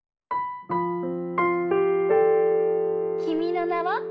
「君の名は。」